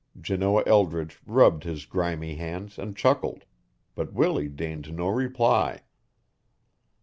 Janoah Eldridge rubbed his grimy hands and chuckled, but Willie deigned no reply.